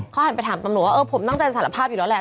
เขาหันไปถามตำรวจว่าเออผมตั้งใจสารภาพอยู่แล้วแหละ